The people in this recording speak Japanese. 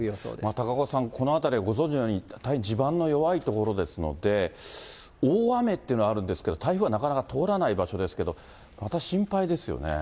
高岡さん、この辺りはご存じのように、大変地盤の弱い所ですので、大雨っていうのはあるんですけど、台風はなかなか通らない場所ですけど、また心配ですよね。